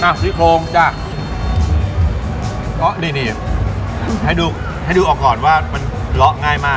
อ่ะซี่โค้งจ้ะอ๋อดีให้ดูให้ดูออกก่อนว่ามันละง่ายมาก